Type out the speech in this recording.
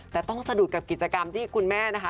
แต่ต้องสะดุดกับกิจกรรมที่คุณแม่นะคะ